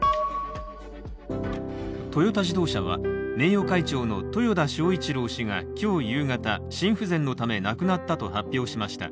トヨタ自動車は名誉会長の豊田章一郎氏が今日夕方心不全のため亡くなったと発表しました。